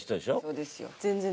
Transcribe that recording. そうですよ。